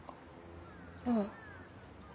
ああ。